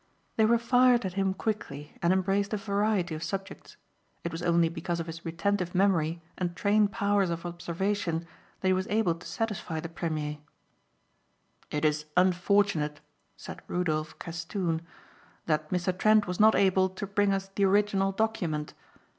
They were fired at him quickly and embraced a variety of subjects. It was only because of his retentive memory and trained powers of observation that he was able to satisfy the premier. "It is unfortunate," said Rudolph Castoon, "that Mr. Trent was not able to bring us the original document.